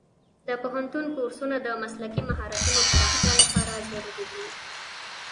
د پوهنتون کورسونه د مسلکي مهارتونو پراختیا لپاره ضروري دي.